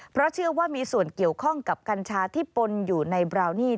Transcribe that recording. เพราะเชื่อว่ามีส่วนเกี่ยวข้องกับกัญชาที่ปนอยู่ในบราวนี่